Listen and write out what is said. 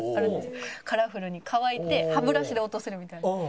カラフルに乾いて歯ブラシで落とせるみたいな。